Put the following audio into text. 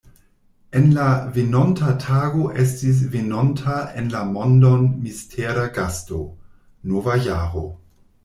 En la venonta tago estis venonta en la mondon mistera gasto: nova jaro.